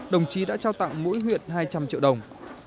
đồng chí đã trao tặng mỗi huyện hai trăm linh triệu đồng